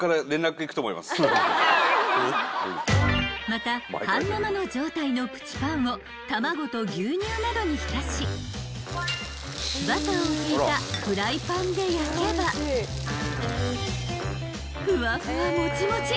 ［また半生の状態のプチパンを卵と牛乳などに浸しバターを引いたフライパンで焼けばふわふわもちもち！